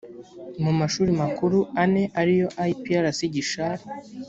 mu mashuri makuru ane ariyo iprc gishari